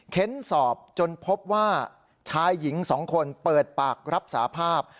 ้นสอบจนพบว่าชายหญิง๒คนเปิดปากรับสาภาพ